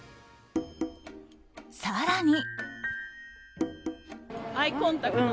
更に。